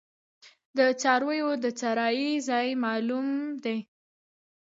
د څارویو د څرائ ځای معلوم دی؟